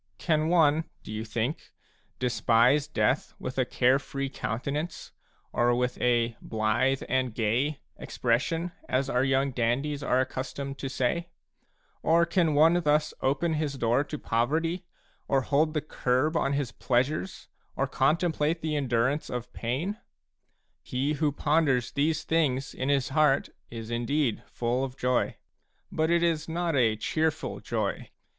Can one, do you think, despise death with a care free counten ance, or with a "blithe and gay" expression, as our young dandies are accustomed to say ? Or can one thus open his door to poverty, or hold the curb on his pleasures, or contemplate the endurance of pain ? He who ponders these things a in his heart is indeed full of joy; but it is not a cheerful joy.